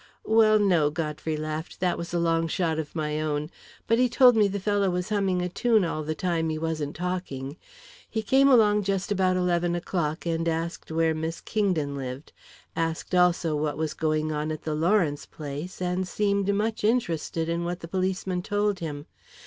"Well, no," Godfrey laughed. "That was a long shot of my own. But he told me the fellow was humming a tune all the time he wasn't talking. He came along just about eleven o'clock, and asked where Miss Kingdon lived; asked also what was going on at the Lawrence place, and seemed much interested in what the policeman told him.